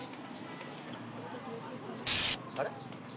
あれ？